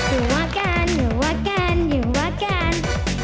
อยู่ว่ากันอยู่ว่ากันอยู่ว่ากัน